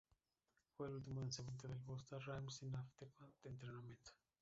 Fue el último lanzamiento de Busta Rhymes en Aftermath Entertainment.